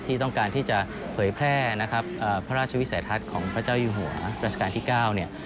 ที่ต้องการที่จะเผยแพร่นะครับพระราชวิสัยทัศน์ของพระเจ้าอยู่หัวรัชกาลที่๙เนี่ย